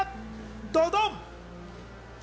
ドドン！